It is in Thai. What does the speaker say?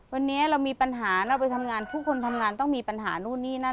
วันนี้เรามีปัญหาเราไปทำงานทุกคนทำงานต้องมีปัญหานู่นนี่นั่น